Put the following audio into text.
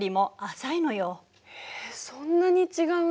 そんなに違うんだ。